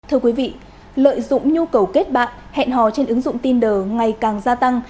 thưa quý vị lợi dụng nhu cầu kết bạn hẹn hò trên ứng dụng tinder ngày càng gia tăng